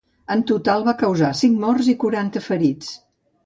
En total, va causar cinc morts i quaranta ferits.